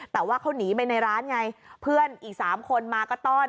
แต่ว่าเขาหนีไปในร้านไงเพื่อนอีก๓คนมาก็ต้อน